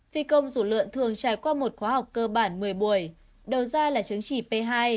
phi công dù lượn thường trải qua một khóa học cơ bản một mươi buổi đầu ra là chứng chỉ p hai